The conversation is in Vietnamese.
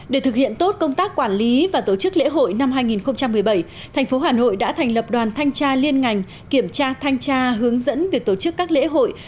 để thực hiện tốt công tác quản lý và tổ chức lễ hội năm hai nghìn một mươi bảy thành phố hà nội đã thành lập đoàn thanh tra liên ngành kiểm tra thanh tra hướng dẫn việc tổ chức các lễ hội